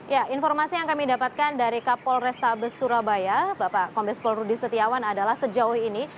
ya informasi yang kami dapatkan dari kapolrestabes surabaya bapak kombes polrudi setiawan adalah sejauh ini